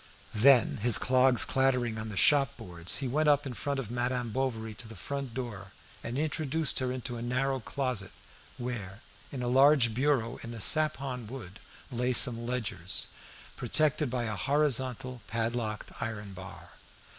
Then, his clogs clattering on the shop boards, he went up in front of Madame Bovary to the first door, and introduced her into a narrow closet, where, in a large bureau in sapon wood, lay some ledgers, protected by a horizontal padlocked iron bar.